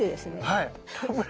はい。